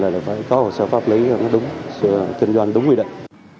là phải có hồ sơ pháp lý kinh doanh đúng quy định